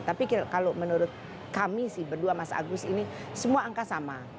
tapi kalau menurut kami sih berdua mas agus ini semua angka sama